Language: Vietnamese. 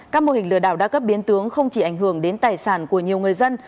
các mô hình lừa đảo đa cấp biến tướng không chỉ ảnh hưởng đến tài sản của nhiều người dân